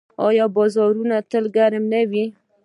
آیا بازارونه یې تل ګرم نه وي؟